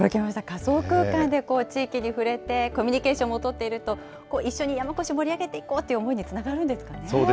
仮想空間で地域にふれて、コミュニケーションも取っていると、一緒に山古志盛り上げていこうという思いにつながるんですね。